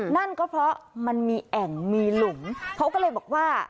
นั่นก็เพราะมันมีแอ่งมีหลุมเขาก็เลยบอกว่า